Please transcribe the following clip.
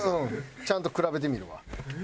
ちゃんと比べてみるわ。